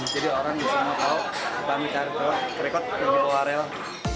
jadi orang disini mau tahu kita misalnya rekod kita ngilang ngilang